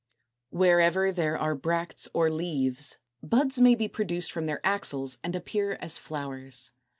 Wherever there are bracts or leaves, buds may be produced from their axils and appear as flowers.